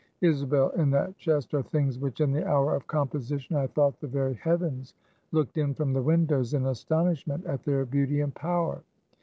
Isabel, in that chest are things which in the hour of composition, I thought the very heavens looked in from the windows in astonishment at their beauty and power.